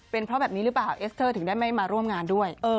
เป็นเพราะแบบนี้หรือเปล่าเอสเตอร์ถึงได้ไม่มาร่วมงานด้วย